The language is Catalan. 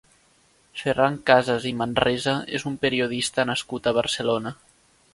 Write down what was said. Ferran Casas i Manresa és un periodista nascut a Barcelona.